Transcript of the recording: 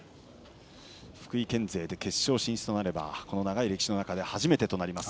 福井県勢で決勝進出となれば長い歴史の中で初めてとなります。